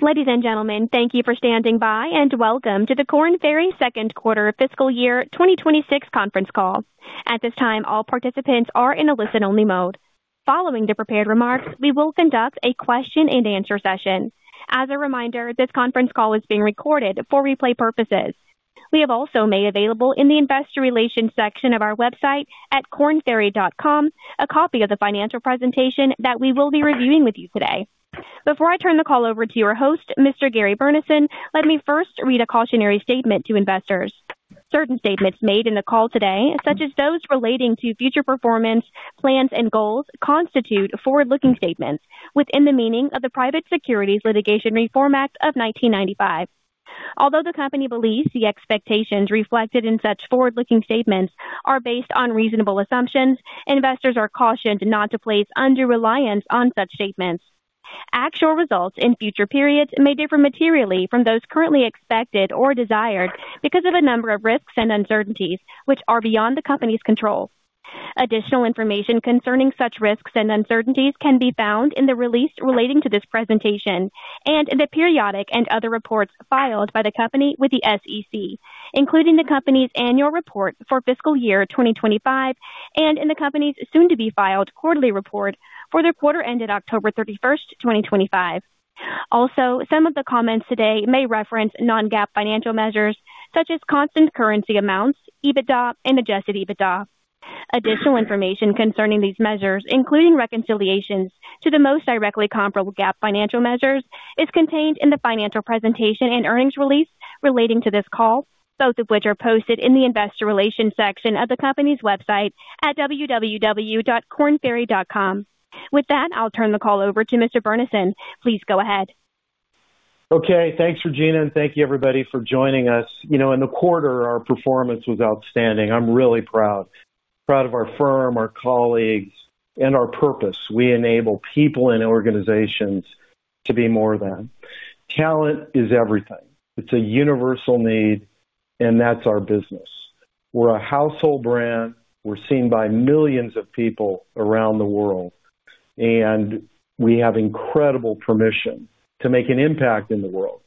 Ladies and gentlemen, thank you for standing by and welcome to the Korn Ferry second quarter fiscal year 2026 conference call. At this time, all participants are in a listen-only mode. Following the prepared remarks, we will conduct a question-and-answer session. As a reminder, this conference call is being recorded for replay purposes. We have also made available in the investor relations section of our website at kornferry.com a copy of the financial presentation that we will be reviewing with you today. Before I turn the call over to your host, Mr. Gary Burnison, let me first read a cautionary statement to investors. Certain statements made in the call today, such as those relating to future performance, plans, and goals, constitute forward-looking statements within the meaning of the Private Securities Litigation Reform Act of 1995. Although the company believes the expectations reflected in such forward-looking statements are based on reasonable assumptions, investors are cautioned not to place undue reliance on such statements. Actual results in future periods may differ materially from those currently expected or desired because of a number of risks and uncertainties which are beyond the company's control. Additional information concerning such risks and uncertainties can be found in the release relating to this presentation and in the periodic and other reports filed by the company with the SEC, including the company's annual report for fiscal year 2025 and in the company's soon-to-be filed quarterly report for the quarter ended October 31st, 2025. Also, some of the comments today may reference non-GAAP financial measures such as constant currency amounts, EBITDA, and adjusted EBITDA. Additional information concerning these measures, including reconciliations to the most directly comparable GAAP financial measures, is contained in the financial presentation and earnings release relating to this call, both of which are posted in the investor relations section of the company's website at www.kornferry.com. With that, I'll turn the call over to Mr. Burnison. Please go ahead. Okay. Thanks, Regina. And thank you, everybody, for joining us. You know, in the quarter, our performance was outstanding. I'm really proud. Proud of our firm, our colleagues, and our purpose. We enable people and organizations to be more of that. Talent is everything. It's a universal need, and that's our business. We're a household brand. We're seen by millions of people around the world. And we have incredible permission to make an impact in the world,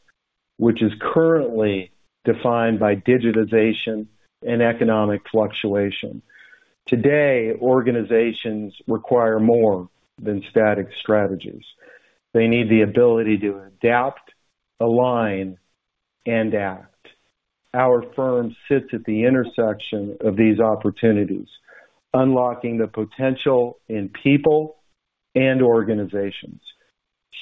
which is currently defined by digitization and economic fluctuation. Today, organizations require more than static strategies. They need the ability to adapt, align, and act. Our firm sits at the intersection of these opportunities, unlocking the potential in people and organizations,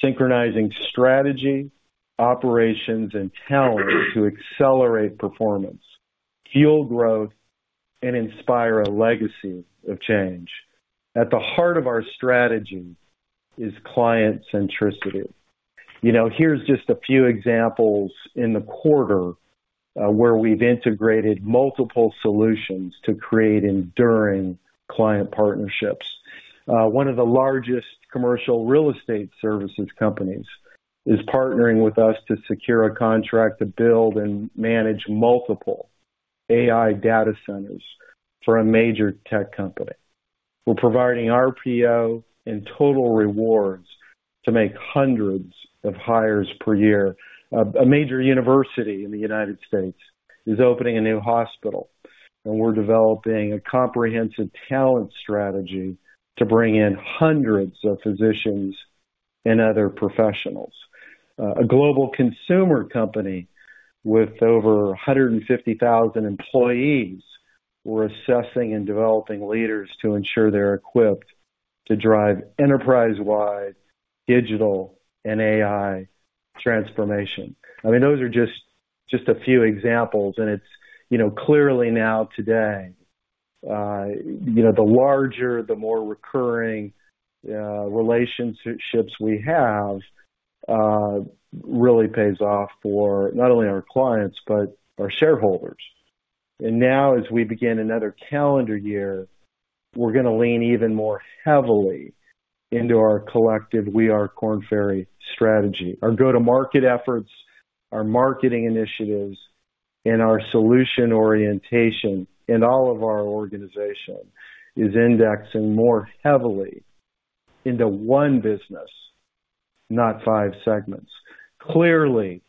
synchronizing strategy, operations, and talent to accelerate performance, fuel growth, and inspire a legacy of change. At the heart of our strategy is client centricity. You know, here's just a few examples in the quarter where we've integrated multiple solutions to create enduring client partnerships. One of the largest commercial real estate services companies is partnering with us to secure a contract to build and manage multiple AI data centers for a major tech company. We're providing RPO and total rewards to make hundreds of hires per year. A major university in the United States is opening a new hospital, and we're developing a comprehensive talent strategy to bring in hundreds of physicians and other professionals. A global consumer company with over 150,000 employees. We're assessing and developing leaders to ensure they're equipped to drive enterprise-wide digital and AI transformation. I mean, those are just a few examples. It's, you know, clearly now today, you know, the larger, the more recurring relationships we have really pays off for not only our clients, but our shareholders. Now, as we begin another calendar year, we're going to lean even more heavily into our collective "We Are Korn Ferry" strategy. Our go-to-market efforts, our marketing initiatives, and our solution orientation in all of our organization is indexing more heavily into one business, not five segments. Clearly,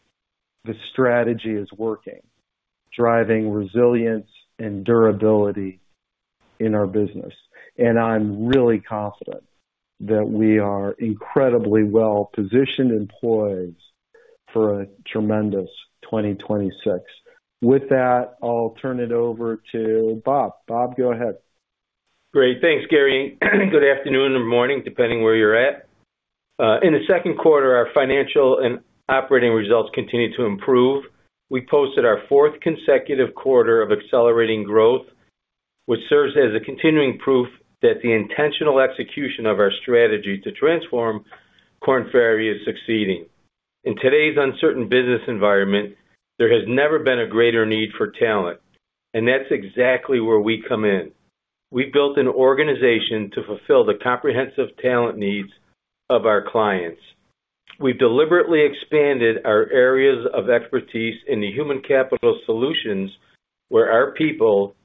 the strategy is working, driving resilience and durability in our business. I'm really confident that we are incredibly well-positioned employees for a tremendous 2026. With that, I'll turn it over to Bob. Bob, go ahead. Great. Thanks, Gary. Good afternoon or morning, depending where you're at. In the second quarter, our financial and operating results continue to improve. We posted our fourth consecutive quarter of accelerating growth, which serves as a continuing proof that the intentional execution of our strategy to transform Korn Ferry is succeeding. In today's uncertain business environment, there has never been a greater need for talent. And that's exactly where we come in. We've built an organization to fulfill the comprehensive talent needs of our clients. We've deliberately expanded our areas of expertise in the human capital solutions, where our people,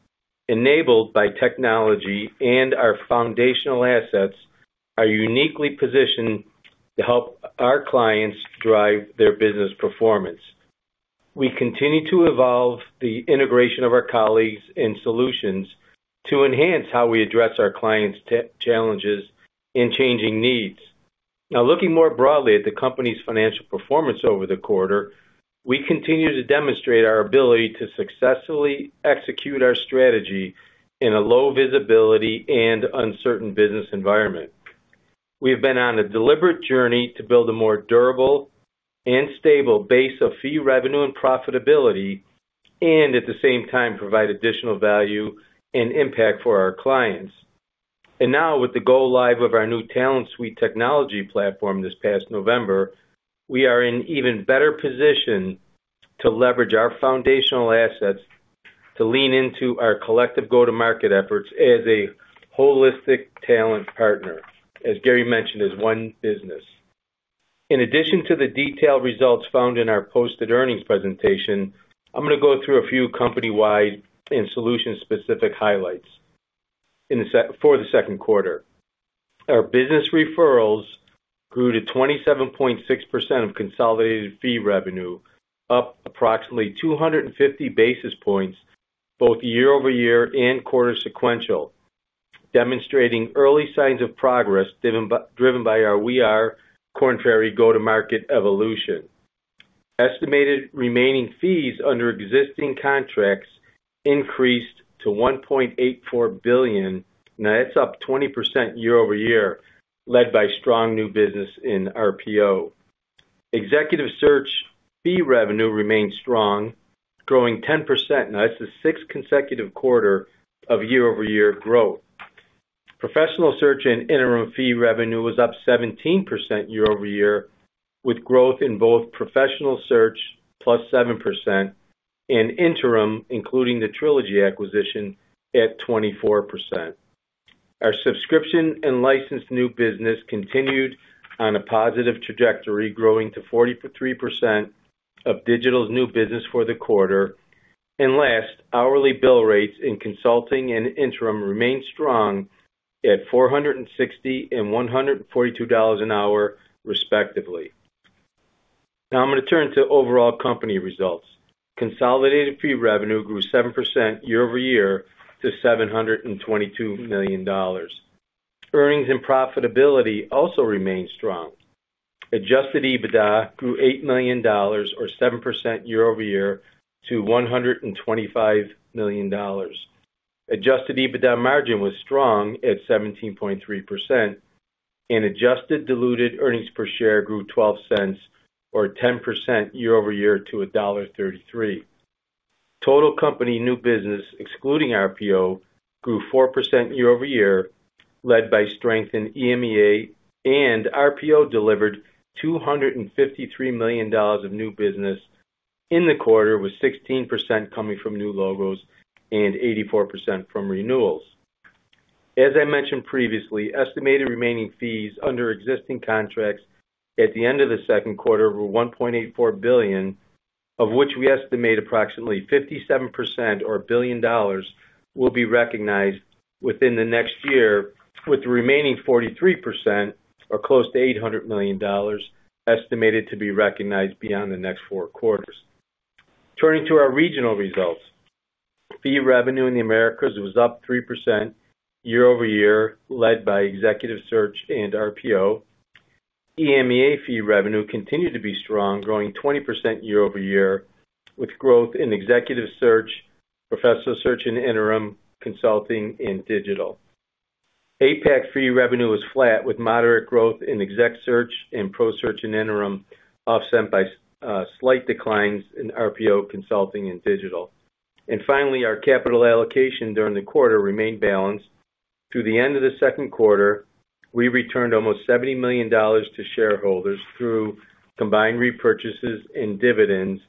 enabled by technology and our foundational assets, are uniquely positioned to help our clients drive their business performance. We continue to evolve the integration of our colleagues and solutions to enhance how we address our clients' challenges and changing needs. Now, looking more broadly at the company's financial performance over the quarter, we continue to demonstrate our ability to successfully execute our strategy in a low visibility and uncertain business environment. We have been on a deliberate journey to build a more durable and stable base of fee revenue and profitability, and at the same time, provide additional value and impact for our clients. And now, with the go-live of our new Talent Suite technology platform this past November, we are in an even better position to leverage our foundational assets to lean into our collective go-to-market efforts as a holistic talent partner, as Gary mentioned, as one business. In addition to the detailed results found in our posted earnings presentation, I'm going to go through a few company-wide and solution-specific highlights for the second quarter. Our business referrals grew to 27.6% of consolidated fee revenue, up approximately 250 basis points, both year-over-year and quarter-sequential, demonstrating early signs of progress driven by our "We Are Korn Ferry" go-to-market evolution. Estimated remaining fees under existing contracts increased to $1.84 billion. Now, that's up 20% year-over-year, led by strong new business in RPO. Executive search fee revenue remained strong, growing 10%. Now, that's the sixth consecutive quarter of year-over-year growth. Professional search and interim fee revenue was up 17% year-over-year, with growth in both professional search, +7%, and interim, including the Trilogy acquisition, at 24%. Our subscription and licensed new business continued on a positive trajectory, growing to 43% of digital new business for the quarter. And last, hourly bill rates in consulting and interim remained strong at $460 and $142 an hour, respectively. Now, I'm going to turn to overall company results. Consolidated fee revenue grew 7% year-over-year to $722 million. Earnings and profitability also remained strong. Adjusted EBITDA grew $8 million, or 7% year-over-year, to $125 million. Adjusted EBITDA margin was strong at 17.3%. And adjusted diluted earnings per share grew $0.12, or 10% year-over-year, to $1.33. Total company new business, excluding RPO, grew 4% year-over-year, led by strength in EMEA. And RPO delivered $253 million of new business in the quarter, with 16% coming from new logos and 84% from renewals. As I mentioned previously, estimated remaining fees under existing contracts at the end of the second quarter were $1.84 billion, of which we estimate approximately 57%, or $1 billion, will be recognized within the next year, with the remaining 43%, or close to $800 million, estimated to be recognized beyond the next four quarters. Turning to our regional results, fee revenue in the Americas was up 3% year-over-year, led by executive search and RPO. EMEA fee revenue continued to be strong, growing 20% year-over-year, with growth in executive search, professional search and interim, consulting, and digital. APAC fee revenue was flat, with moderate growth in exec search and pro search and interim, offset by slight declines in RPO, consulting, and digital. And finally, our capital allocation during the quarter remained balanced. To the end of the second quarter, we returned almost $70 million to shareholders through combined repurchases and dividends.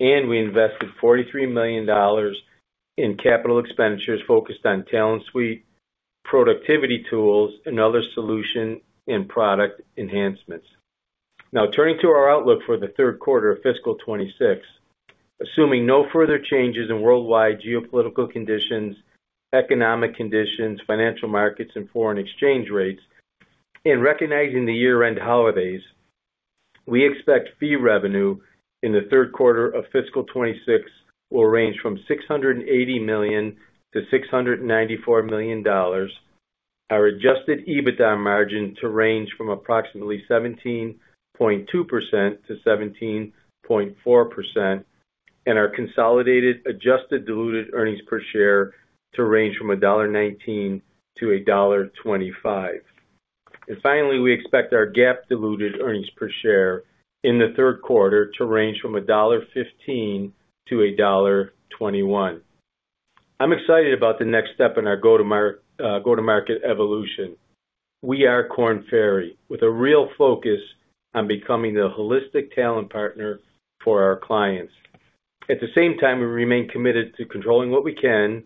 And we invested $43 million in capital expenditures focused on Talent Suite, productivity tools, and other solution and product enhancements. Now, turning to our outlook for the third quarter of fiscal 2026, assuming no further changes in worldwide geopolitical conditions, economic conditions, financial markets, and foreign exchange rates, and recognizing the year-end holidays, we expect fee revenue in the third quarter of fiscal 2026 will range from $680-$694 million. Our adjusted EBITDA margin to range from approximately 17.2%-17.4%. And our consolidated adjusted diluted earnings per share to range from $1.19-$1.25. And finally, we expect our GAAP diluted earnings per share in the third quarter to range from $1.15-$1.21. I'm excited about the next step in our go-to-market evolution. We are Korn Ferry, with a real focus on becoming the holistic talent partner for our clients. At the same time, we remain committed to controlling what we can,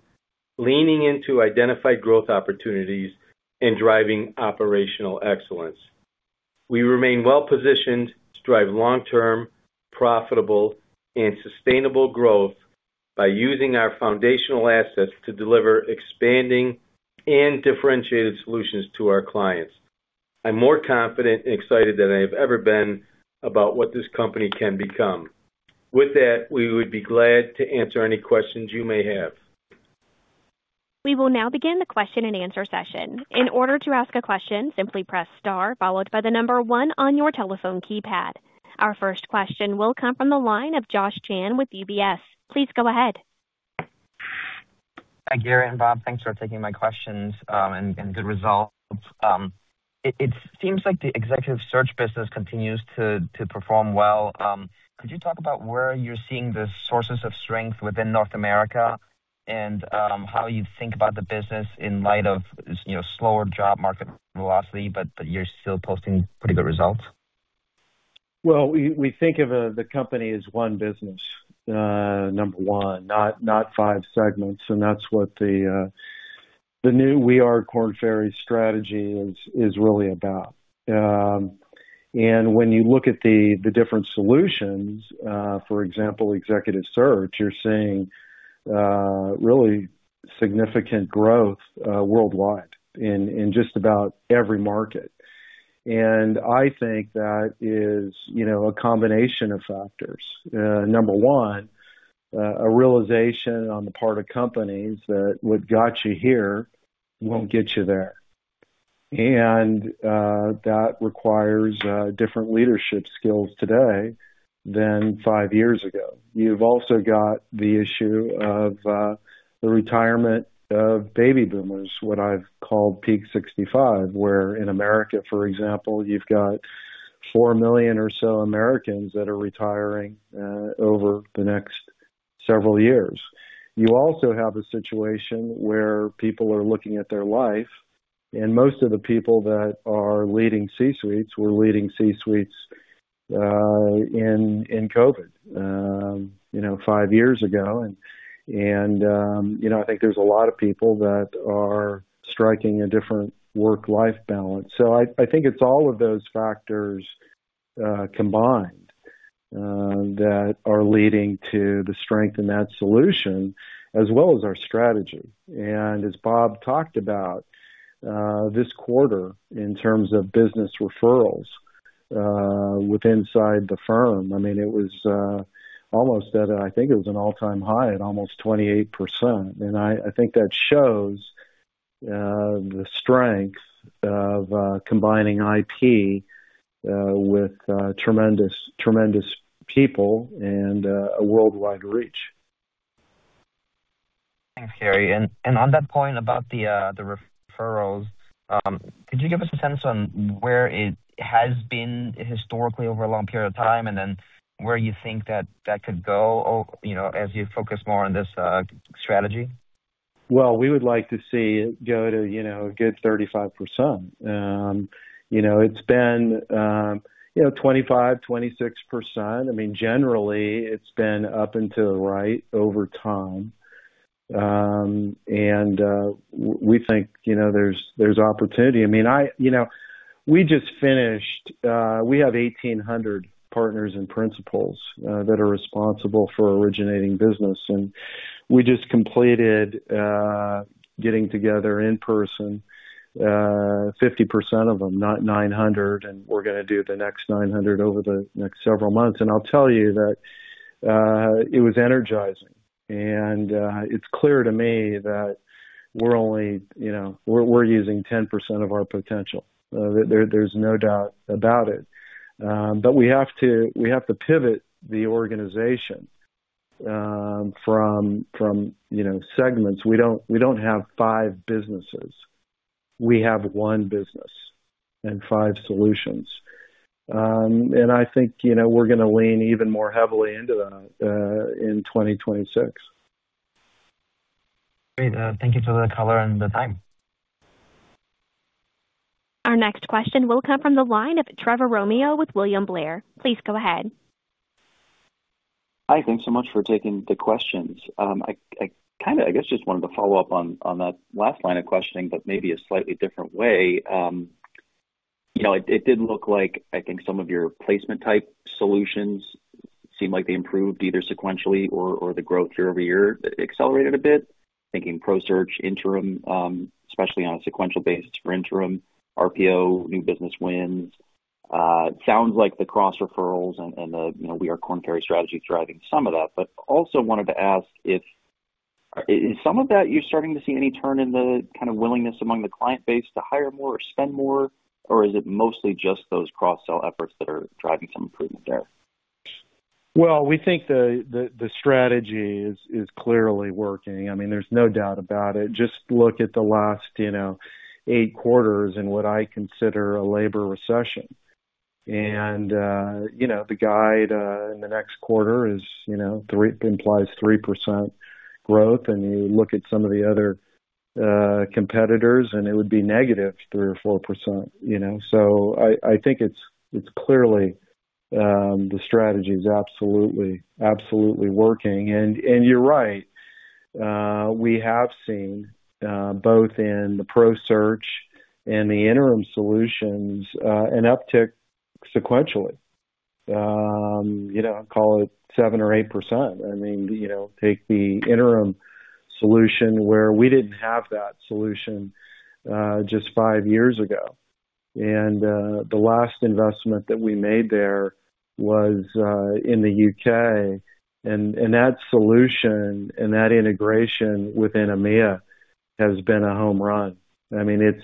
leaning into identified growth opportunities, and driving operational excellence. We remain well-positioned to drive long-term, profitable, and sustainable growth by using our foundational assets to deliver expanding and differentiated solutions to our clients. I'm more confident and excited than I have ever been about what this company can become. With that, we would be glad to answer any questions you may have. We will now begin the question-and-answer session. In order to ask a question, simply press star, followed by the number one on your telephone keypad. Our first question will come from the line of Josh Chan with UBS. Please go ahead. Hi, Gary and Bob. Thanks for taking my questions and good results. It seems like the executive search business continues to perform well. Could you talk about where you're seeing the sources of strength within North America and how you think about the business in light of slower job market velocity, but you're still posting pretty good results? We think of the company as one business, number one, not five segments. That's what the new "We Are Korn Ferry" strategy is really about. When you look at the different solutions, for example, executive search, you're seeing really significant growth worldwide in just about every market. I think that is a combination of factors. Number one, a realization on the part of companies that what got you here won't get you there. That requires different leadership skills today than five years ago. You've also got the issue of the retirement of baby boomers, what I've called Peak 65, where in America, for example, you've got four million or so Americans that are retiring over the next several years. You also have a situation where people are looking at their life. And most of the people that are leading C-suites were leading C-suites in COVID five years ago. And I think there's a lot of people that are striking a different work-life balance. So I think it's all of those factors combined that are leading to the strength in that solution, as well as our strategy. And as Bob talked about this quarter, in terms of business referrals with inside the firm, I mean, it was almost at, I think it was an all-time high at almost 28%. And I think that shows the strength of combining IP with tremendous people and a worldwide reach. Thanks, Gary. And on that point about the referrals, could you give us a sense on where it has been historically over a long period of time and then where you think that that could go as you focus more on this strategy? Well, we would like to see it go to a good 35%. It's been 25%, 26%. I mean, generally, it's been up and to the right over time. And we think there's opportunity. I mean, we just finished. We have 1,800 partners and principals that are responsible for originating business. And we just completed getting together in person, 50% of them, not 900. And we're going to do the next 900 over the next several months. And I'll tell you that it was energizing. And it's clear to me that we're only using 10% of our potential. There's no doubt about it. But we have to pivot the organization from segments. We don't have five businesses. We have one business and five solutions. And I think we're going to lean even more heavily into that in 2026. Great. Thank you for the color and the time. Our next question will come from the line of Trevor Romeo with William Blair. Please go ahead. Hi. Thanks so much for taking the questions. I kind of, I guess, just wanted to follow up on that last line of questioning, but maybe a slightly different way. It did look like, I think, some of your placement-type solutions seemed like they improved either sequentially or the growth year-over-year accelerated a bit, thinking pro search, interim, especially on a sequential basis for interim, RPO, new business wins. Sounds like the cross-referrals and the "We Are Korn Ferry" strategy is driving some of that. But also wanted to ask if some of that, you're starting to see any turn in the kind of willingness among the client base to hire more or spend more, or is it mostly just those cross-sell efforts that are driving some improvement there? We think the strategy is clearly working. I mean, there's no doubt about it. Just look at the last eight quarters in what I consider a labor recession. And the guide in the next quarter implies 3% growth. And you look at some of the other competitors, and it would be negative 3% or 4%. So I think it's clearly the strategy is absolutely, absolutely working. And you're right. We have seen, both in the Professional Search and the Interim Solutions, an uptick sequentially. Call it 7% or 8%. I mean, take the Interim Solutions where we didn't have that solution just five years ago. And the last investment that we made there was in the U.K. And that solution and that integration within EMEA has been a home run. I mean, it's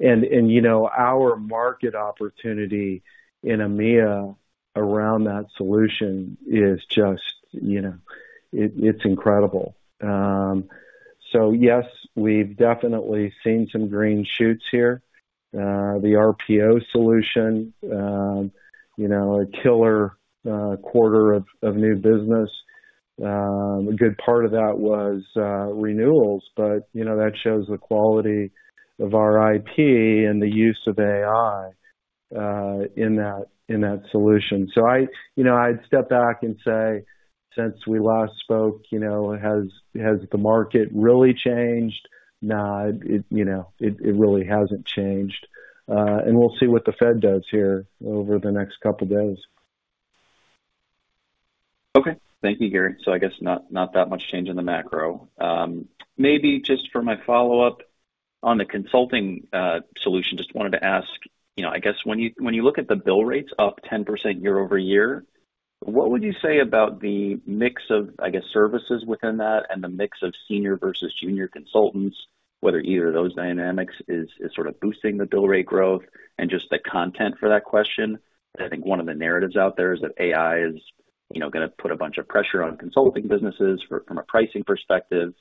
and our market opportunity in EMEA around that solution is just, it's incredible. So yes, we've definitely seen some green shoots here. The RPO solution, a killer quarter of new business. A good part of that was renewals. But that shows the quality of our IP and the use of AI in that solution. So I'd step back and say, since we last spoke, has the market really changed? No, it really hasn't changed. And we'll see what the Fed does here over the next couple of days. Okay. Thank you, Gary. So I guess not that much change in the macro. Maybe just for my follow-up on the consulting solution, just wanted to ask, I guess, when you look at the bill rates up 10% year-over-year, what would you say about the mix of, I guess, services within that and the mix of senior versus junior consultants, whether either of those dynamics is sort of boosting the bill rate growth and just the content for that question? I think one of the narratives out there is that AI is going to put a bunch of pressure on consulting businesses from a pricing perspective.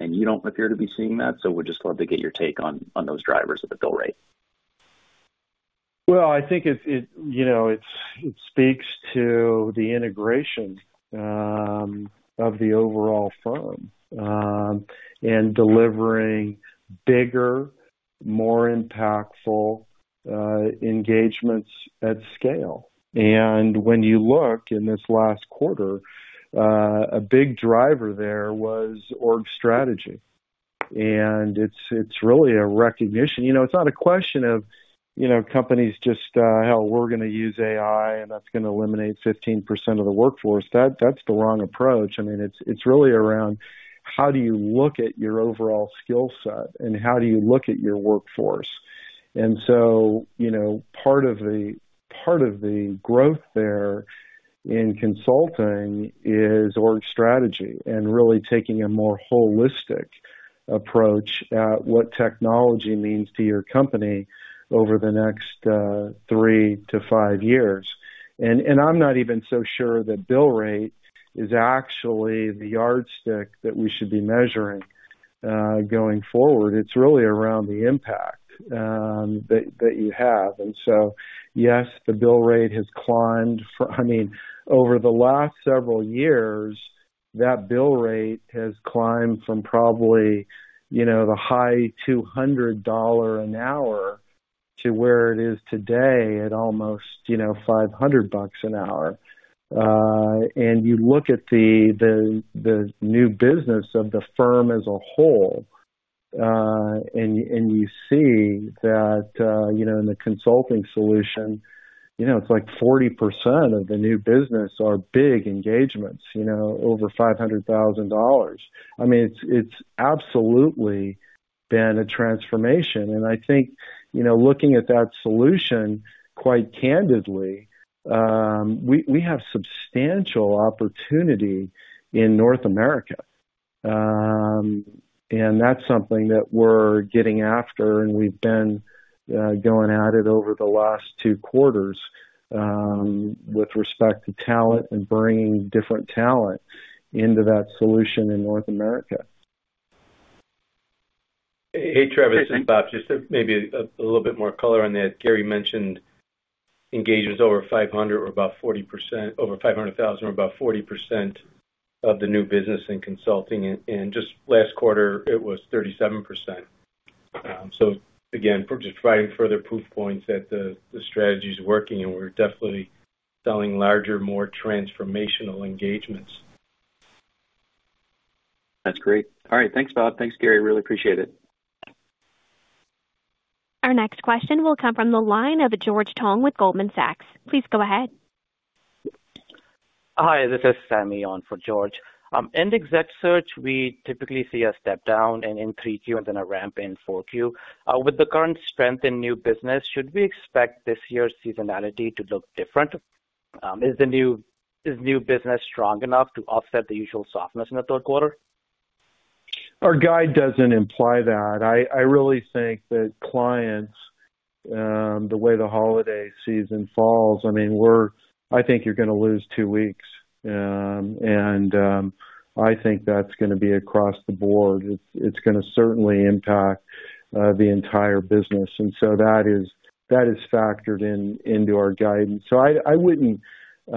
And you don't appear to be seeing that. So we'd just love to get your take on those drivers of the bill rate. I think it speaks to the integration of the overall firm and delivering bigger, more impactful engagements at scale. And when you look in this last quarter, a big driver there was org strategy. And it's really a recognition. It's not a question of companies just, "Hell, we're going to use AI, and that's going to eliminate 15% of the workforce." That's the wrong approach. I mean, it's really around how do you look at your overall skill set and how do you look at your workforce? And so part of the growth there in consulting is org strategy and really taking a more holistic approach at what technology means to your company over the next three to five years. And I'm not even so sure that bill rate is actually the yardstick that we should be measuring going forward. It's really around the impact that you have. And so yes, the bill rate has climbed. I mean, over the last several years, that bill rate has climbed from probably the high $200 an hour to where it is today at almost $500 an hour. And you look at the new business of the firm as a whole, and you see that in the consulting solution, it's like 40% of the new business are big engagements over $500,000. I mean, it's absolutely been a transformation. And I think looking at that solution, quite candidly, we have substantial opportunity in North America. And that's something that we're getting after. And we've been going at it over the last two quarters with respect to talent and bringing different talent into that solution in North America. Hey, Trevor. This is Bob. Just maybe a little bit more color on that. Gary mentioned engagements over $500,000 or about 40% over $500,000 or about 40% of the new business in consulting. And just last quarter, it was 37%. So again, just providing further proof points that the strategy is working. And we're definitely selling larger, more transformational engagements. That's great. All right. Thanks, Bob. Thanks, Gary. Really appreciate it. Our next question will come from the line of George Tong with Goldman Sachs. Please go ahead. Hi. This is Sami on for George. In exec search, we typically see a step down in 3Q and then a ramp in 4Q. With the current strength in new business, should we expect this year's seasonality to look different? Is the new business strong enough to offset the usual softness in the third quarter? Our guide doesn't imply that. I really think that clients, the way the holiday season falls, I mean, I think you're going to lose two weeks, and I think that's going to be across the board. It's going to certainly impact the entire business, and so that is factored into our guidance, so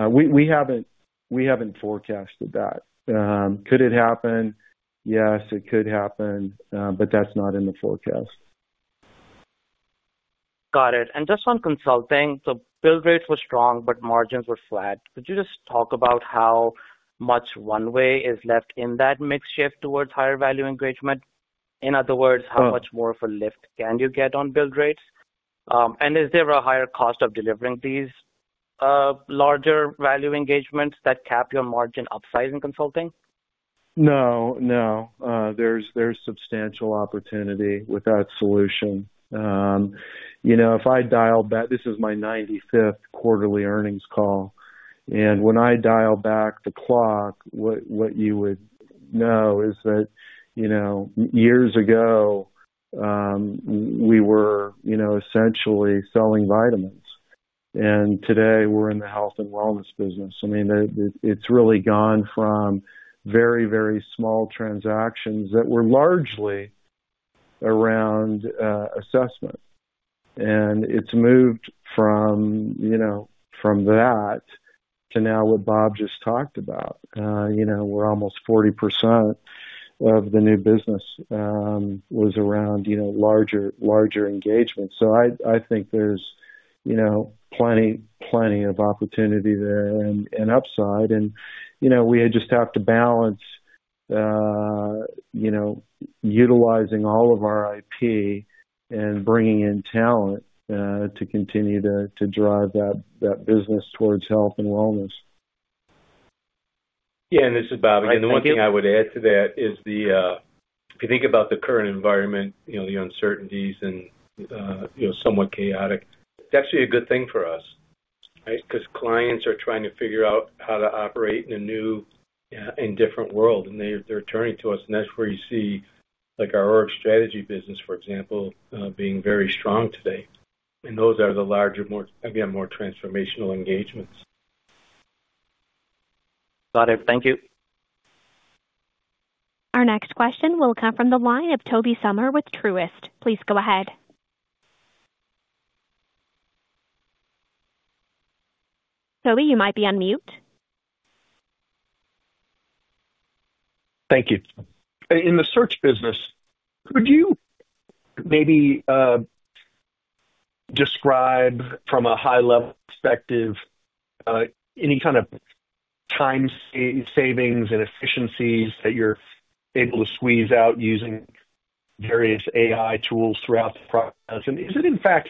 we haven't forecasted that. Could it happen? Yes, it could happen, but that's not in the forecast. Got it. And just on consulting, so bill rates were strong, but margins were flat. Could you just talk about how much runway is left in that mix shift towards higher value engagement? In other words, how much more of a lift can you get on bill rates? And is there a higher cost of delivering these larger value engagements that cap your margin upside in consulting? No. No. There's substantial opportunity with that solution. If I dialed back, this is my 95th quarterly earnings call. And when I dial back the clock, what you would know is that years ago, we were essentially selling vitamins. And today, we're in the health and wellness business. I mean, it's really gone from very, very small transactions that were largely around assessment. And it's moved from that to now what Bob just talked about. We're almost 40% of the new business was around larger engagements. So I think there's plenty of opportunity there and upside. And we just have to balance utilizing all of our IP and bringing in talent to continue to drive that business towards health and wellness. Yeah. And this is Bob. Again, the one thing I would add to that is if you think about the current environment, the uncertainties and somewhat chaotic, it's actually a good thing for us, right? Because clients are trying to figure out how to operate in a new and different world. And they're turning to us. And that's where you see our org strategy business, for example, being very strong today. And those are the larger, again, more transformational engagements. Got it. Thank you. Our next question will come from the line of Tobey Sommer with Truist. Please go ahead. Toby, you might be on mute. Thank you. In the search business, could you maybe describe from a high-level perspective any kind of time savings and efficiencies that you're able to squeeze out using various AI tools throughout the process? And is it, in fact,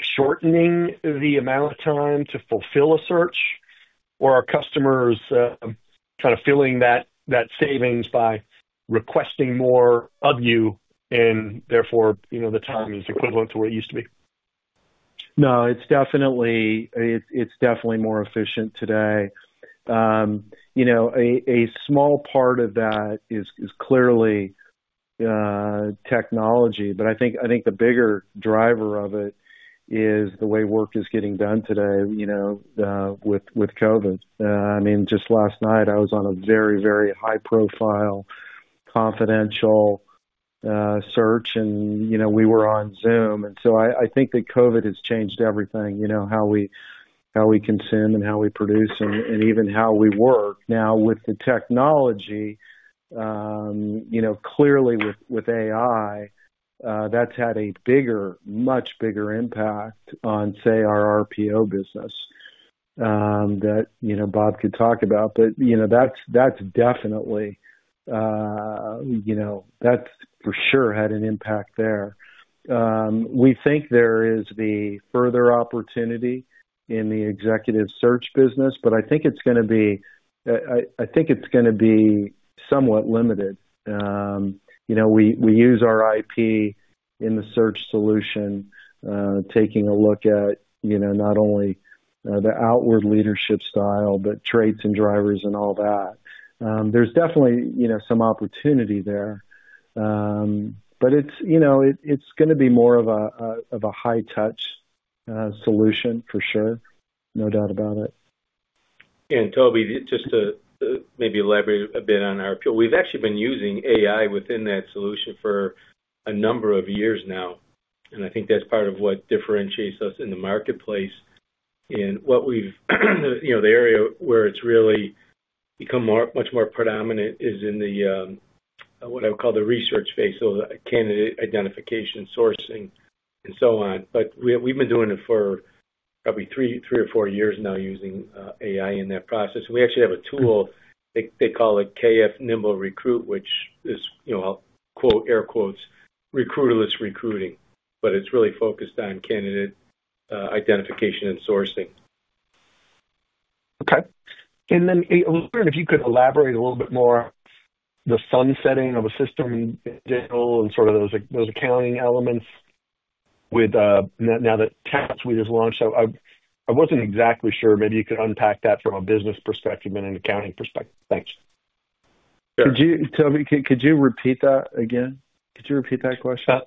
shortening the amount of time to fulfill a search, or are customers kind of filling that savings by requesting more of you, and therefore, the time is equivalent to where it used to be? No. It's definitely more efficient today. A small part of that is clearly technology. But I think the bigger driver of it is the way work is getting done today with COVID. I mean, just last night, I was on a very, very high-profile, confidential search. And we were on Zoom. And so I think that COVID has changed everything, how we consume and how we produce and even how we work. Now, with the technology, clearly with AI, that's had a bigger, much bigger impact on, say, our RPO business that Bob could talk about. But that's definitely for sure had an impact there. We think there is the further opportunity in the executive search business. But I think it's going to be somewhat limited. We use our IP in the search solution, taking a look at not only the outward leadership style, but traits and drivers and all that. There's definitely some opportunity there. But it's going to be more of a high-touch solution, for sure. No doubt about it. And Toby, just to maybe elaborate a bit on our appeal, we've actually been using AI within that solution for a number of years now. And I think that's part of what differentiates us in the marketplace. And the area where it's really become much more predominant is in what I would call the research phase, so candidate identification, sourcing, and so on. But we've been doing it for probably three or four years now using AI in that process. And we actually have a tool. They call it KF Nimble Recruit, which is, I'll quote, "recruiterless recruiting." But it's really focused on candidate identification and sourcing. Okay. Then I'm wondering if you could elaborate a little bit more on the sunsetting of a system in general and sort of those accounting elements with, now that Talent Suite we just launched. I wasn't exactly sure. Maybe you could unpack that from a business perspective and an accounting perspective. Thanks. Toby, could you repeat that again? Could you repeat that question?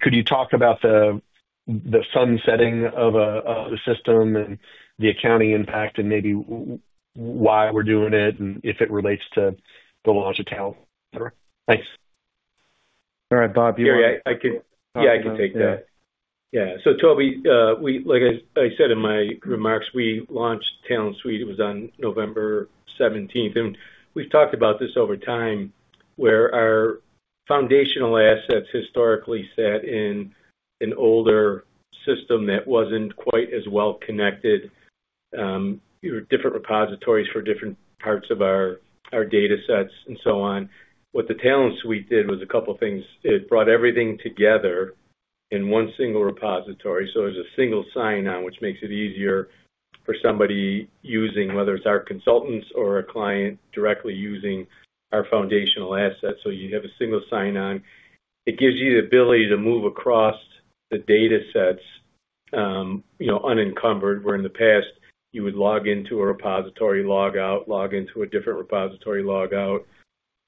Could you talk about the sunsetting of the system and the accounting impact and maybe why we're doing it and if it relates to the launch of Talent? Thanks. All right. Bob, you want to? Yeah. I could take that. Yeah. So, Toby, like I said in my remarks, we launched Talent Suite. It was on November 17th, and we've talked about this over time where our foundational assets historically sat in an older system that wasn't quite as well connected. There were different repositories for different parts of our data sets and so on. What the Talent Suite did was a couple of things. It brought everything together in one single repository. So there's a single sign-on, which makes it easier for somebody using, whether it's our consultants or a client directly using our foundational assets. So you have a single sign-on. It gives you the ability to move across the data sets unencumbered where in the past, you would log into a repository, log out, log into a different repository, log out.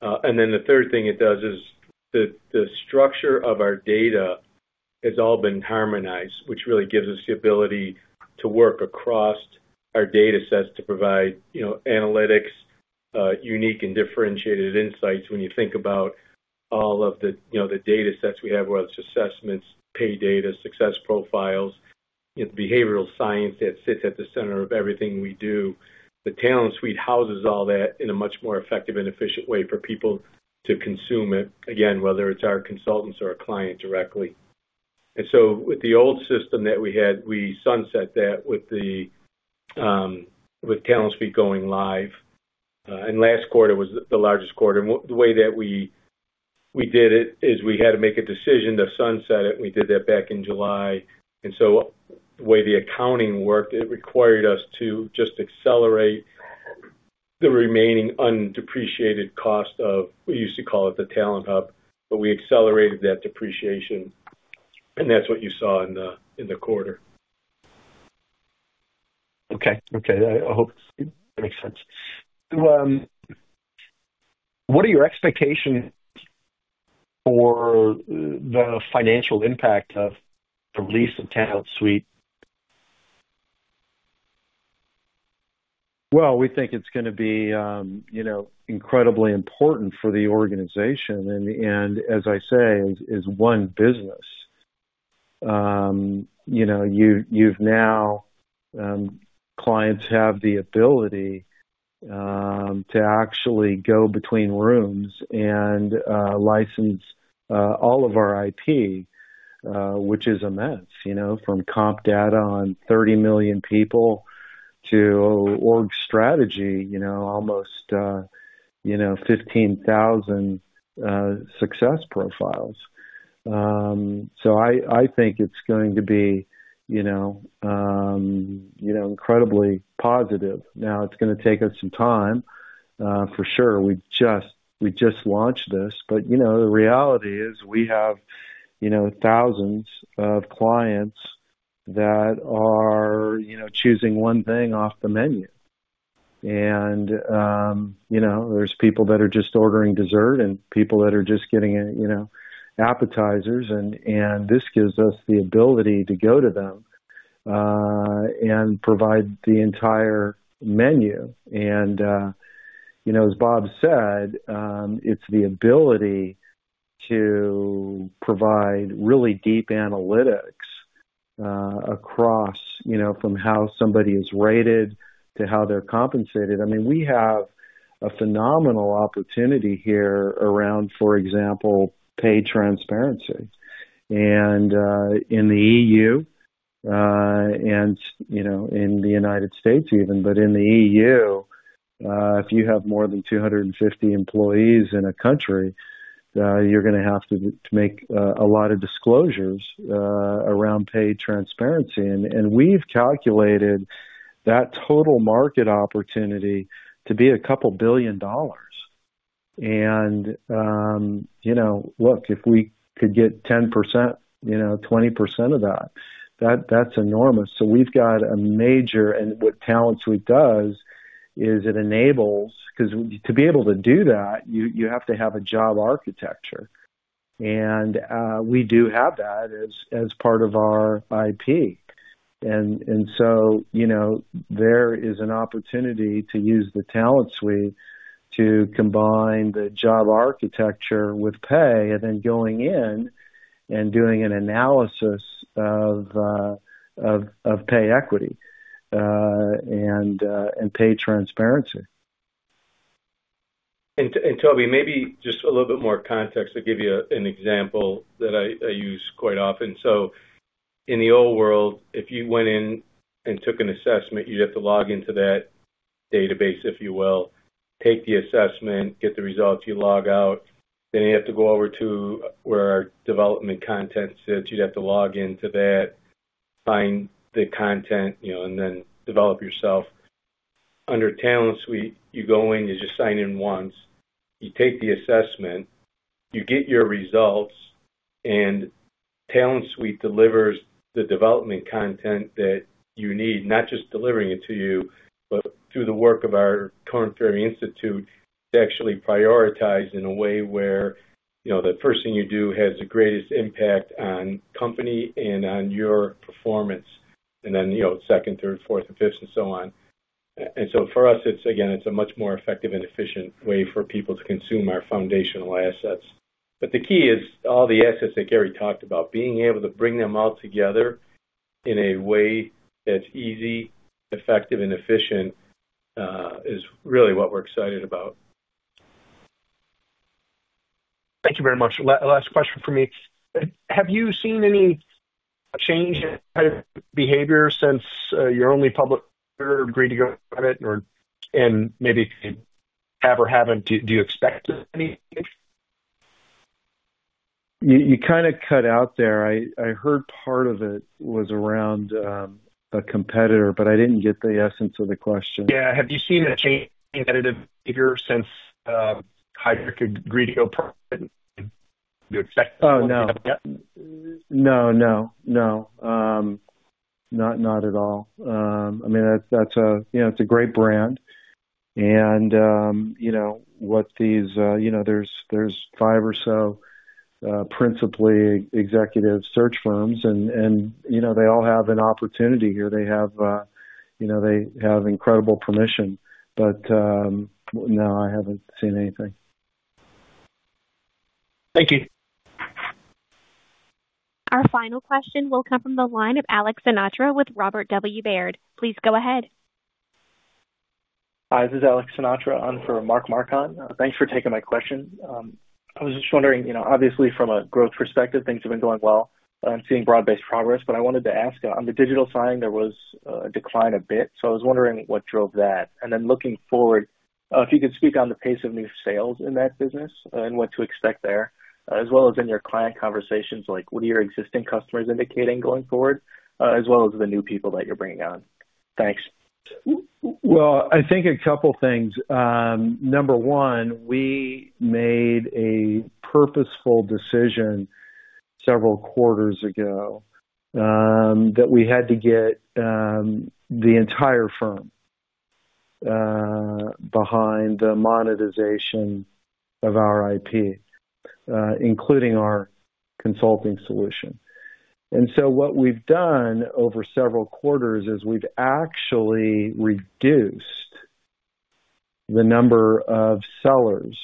And then the third thing it does is the structure of our data has all been harmonized, which really gives us the ability to work across our data sets to provide analytics, unique and differentiated insights when you think about all of the data sets we have, whether it's assessments, pay data, Success Profiles, the behavioral science that sits at the center of everything we do. The Talent Suite houses all that in a much more effective and efficient way for people to consume it, again, whether it's our consultants or a client directly. And so with the old system that we had, we sunset that with Talent Suite going live. And last quarter was the largest quarter. And the way that we did it is we had to make a decision to sunset it. And we did that back in July. And so the way the accounting worked, it required us to just accelerate the remaining undepreciated cost of what we used to call it the Talent Hub. But we accelerated that depreciation. And that's what you saw in the quarter. Okay. Okay. I hope that makes sense. What are your expectations for the financial impact of the release of Talent Suite? Well, we think it's going to be incredibly important for the organization. And as I say, as one business, your clients now have the ability to actually go between rooms and license all of our IP, which is immense, from comp data on 30 million people to org strategy, almost 15,000 Success Profiles. So I think it's going to be incredibly positive. Now, it's going to take us some time for sure. We just launched this. But the reality is we have thousands of clients that are choosing one thing off the menu. And there's people that are just ordering dessert and people that are just getting appetizers. And this gives us the ability to go to them and provide the entire menu. And as Bob said, it's the ability to provide really deep analytics across, from how somebody is rated to how they're compensated. I mean, we have a phenomenal opportunity here around, for example, pay transparency, and in the EU and in the United States even, but in the EU, if you have more than 250 employees in a country, you're going to have to make a lot of disclosures around pay transparency, and we've calculated that total market opportunity to be a couple of billion dollars, and look, if we could get 10%, 20% of that, that's enormous, so we've got a major and what Talent Suite does is it enables because to be able to do that, you have to have a job architecture, and we do have that as part of our IP, and so there is an opportunity to use the Talent Suite to combine the job architecture with pay and then going in and doing an analysis of pay equity and pay transparency. And Toby, maybe just a little bit more context to give you an example that I use quite often. So in the old world, if you went in and took an assessment, you'd have to log into that database, if you will, take the assessment, get the results, you log out. Then you have to go over to where our development content sits. You'd have to log into that, find the content, and then develop yourself. Under Talent Suite, you go in, you just sign in once. You take the assessment, you get your results, and Talent Suite delivers the development content that you need, not just delivering it to you, but through the work of our Korn Ferry Institute, to actually prioritize in a way where the first thing you do has the greatest impact on company and on your performance, and then second, third, fourth, and fifth, and so on, and so for us, again, it's a much more effective and efficient way for people to consume our foundational assets, but the key is all the assets that Gary talked about, being able to bring them all together in a way that's easy, effective, and efficient is really what we're excited about. Thank you very much. Last question for me. Have you seen any change in behavior since your only public competitor agreed to go at it? And maybe have or haven't, do you expect any? You kind of cut out there. I heard part of it was around a competitor, but I didn't get the essence of the question. Yeah. Have you seen a change in behavior since Heidrick agreed to go private? Oh, no. No, no, no. Not at all. I mean, that's a great brand. And with these there's five or so principal executive search firms, and they all have an opportunity here. They have incredible permission. But no, I haven't seen anything. Thank you. Our final question will come from the line of Alex Sinatra with Robert W. Baird. Please go ahead. Hi. This is Alex Sinatra for Mark Marcon. Thanks for taking my question. I was just wondering, obviously, from a growth perspective, things have been going well. I'm seeing broad-based progress. But I wanted to ask, on the digital side, there was a decline a bit. So I was wondering what drove that. And then looking forward, if you could speak on the pace of new sales in that business and what to expect there, as well as in your client conversations, like what are your existing customers indicating going forward, as well as the new people that you're bringing on. Thanks. Well, I think a couple of things. Number one, we made a purposeful decision several quarters ago that we had to get the entire firm behind the monetization of our IP, including our consulting solution. And so what we've done over several quarters is we've actually reduced the number of sellers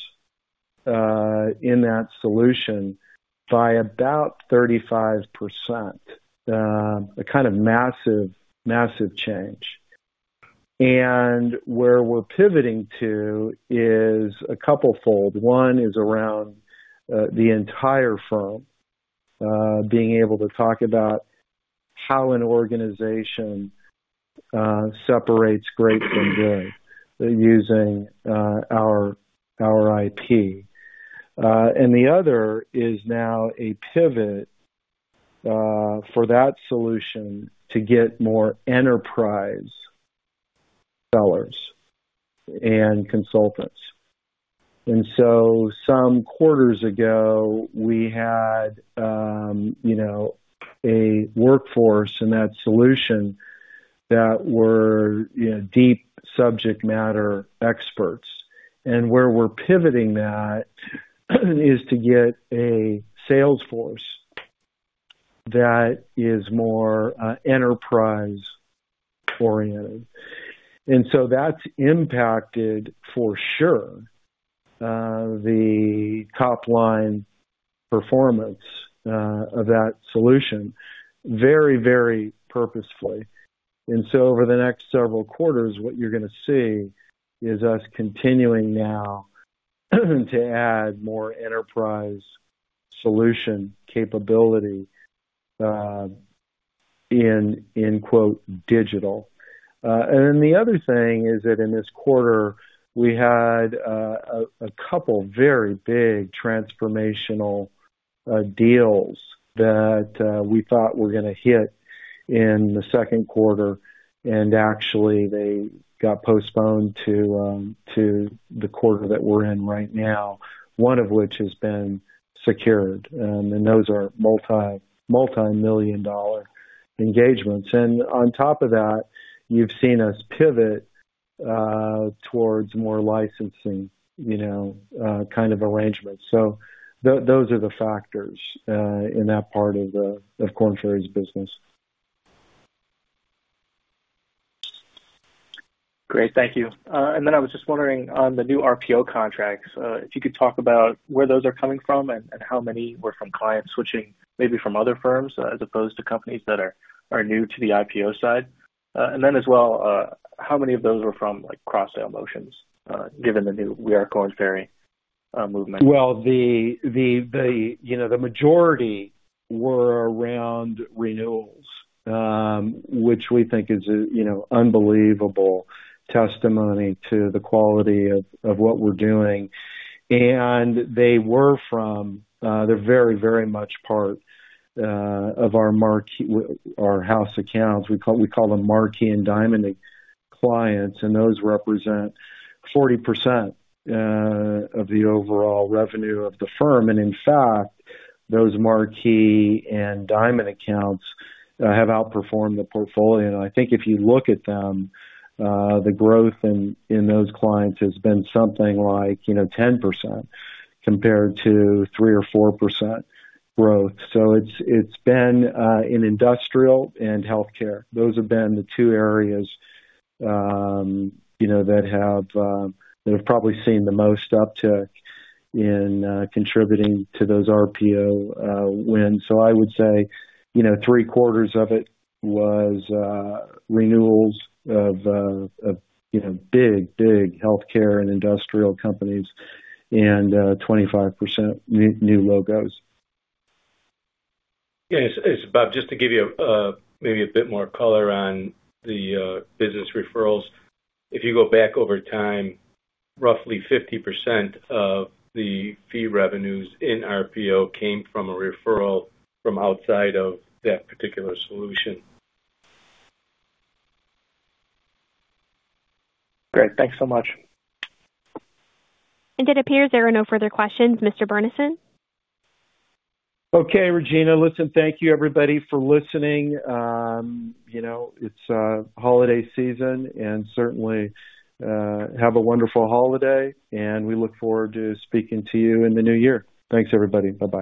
in that solution by about 35%. A kind of massive, massive change. And where we're pivoting to is a couple fold. One is around the entire firm being able to talk about how an organization separates great from good using our IP. And the other is now a pivot for that solution to get more enterprise sellers and consultants. And so some quarters ago, we had a workforce in that solution that were deep subject matter experts. And where we're pivoting that is to get a salesforce that is more enterprise-oriented. and so that's impacted for sure the top-line performance of that solution very, very purposefully. and so over the next several quarters, what you're going to see is us continuing now to add more enterprise solution capability in "digital." And then the other thing is that in this quarter, we had a couple of very big transformational deals that we thought were going to hit in the second quarter. And actually, they got postponed to the quarter that we're in right now, one of which has been secured. And those are multi-million-dollar engagements. And on top of that, you've seen us pivot towards more licensing kind of arrangements. so those are the factors in that part of Korn Ferry's business. Great. Thank you. And then I was just wondering on the new RPO contracts, if you could talk about where those are coming from and how many were from clients switching maybe from other firms as opposed to companies that are new to the RPO side? And then as well, how many of those were from cross-sale motions given the new We Are Korn Ferry movement? The majority were around renewals, which we think is an unbelievable testimony to the quality of what we're doing. They were from, they're very, very much part of our house accounts. We call them Marquee and Diamond clients. Those represent 40% of the overall revenue of the firm. In fact, those Marquee and Diamond accounts have outperformed the portfolio. I think if you look at them, the growth in those clients has been something like 10% compared to three or four% growth. It's been in industrial and healthcare. Those have been the two areas that have probably seen the most uptick in contributing to those RPO wins. I would say three quarters of it was renewals of big, big healthcare and industrial companies and 25% new logos. Yeah. Bob, just to give you maybe a bit more color on the business referrals, if you go back over time, roughly 50% of the fee revenues in RPO came from a referral from outside of that particular solution. Great. Thanks so much. It appears there are no further questions. Mr. Burnison? Okay, Regina. Listen, thank you, everybody, for listening. It's holiday season and certainly have a wonderful holiday and we look forward to speaking to you in the new year. Thanks, everybody. Bye-bye.